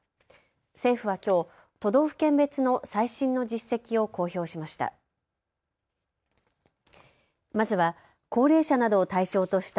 政府はきょう、都道府県別の最新の実績を公表しました。